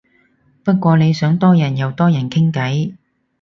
不過你想多人又多人傾偈